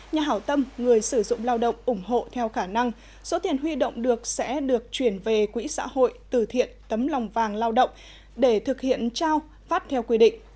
nhà hảo tâm người sử dụng lao động ủng hộ theo khả năng số tiền huy động được sẽ được chuyển về quỹ xã hội từ thiện tấm lòng vàng lao động để thực hiện trao phát theo quy định